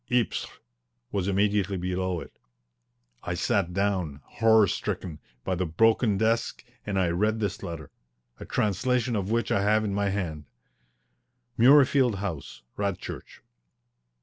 "Ypres" was immediately below it. I sat down, horror stricken, by the broken desk, and I read this letter, a translation of which I have in my hand: MURREYFIELD HOUSE, RADCHURCH.